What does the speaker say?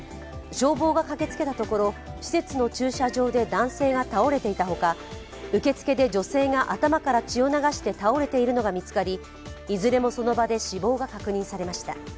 消防が駆けつけたところ、施設の駐車場で男性が倒れていた他、受付で女性が頭から血を流して倒れているのが見つかりいずれもその場で死亡が確認されました。